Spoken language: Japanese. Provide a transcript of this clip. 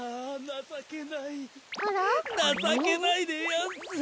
なさけないでやんす。